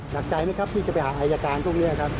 หนักใจไหมครับที่จะไปหาไฮจัตราร์ตรงนี้ครับ